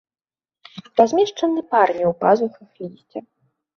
Размешчаны парамі ў пазухах лісця.